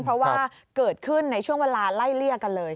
เพราะว่าเกิดขึ้นในช่วงเวลาไล่เลี่ยกันเลย